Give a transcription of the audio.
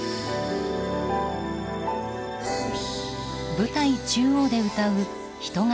舞台中央で歌う人型